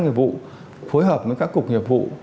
nghiệp vụ phối hợp với các cục nghiệp vụ